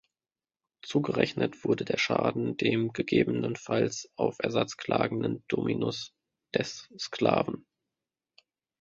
Zugerechnet wurde der Schaden dem gegebenenfalls auf Ersatz klagenden "dominus" (des Sklaven).